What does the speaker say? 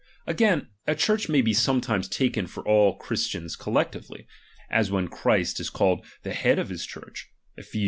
Again, a Church may be sometimes ^H taken for all Christians collectively ; as when ^H Christ is called the head of his Church (Ephes.